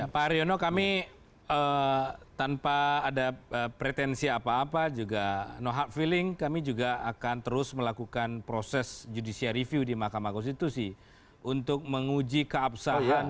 pak haryono kami tanpa ada pretensi apa apa juga no hard feeling kami juga akan terus melakukan proses judicial review di mahkamah konstitusi untuk menguji keabsahan